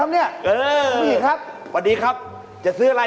มายังไงเนี่ย